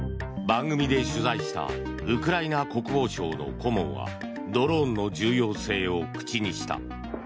番組で取材したウクライナ国防省の顧問はドローンの重要性を口にした。